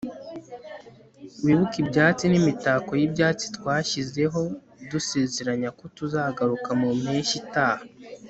wibuke ibyatsi n'imitako y'ibyatsi twashyizeho dusezeranya ko tuzagaruka mu mpeshyi itaha